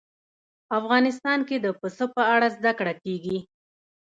افغانستان کې د پسه په اړه زده کړه کېږي.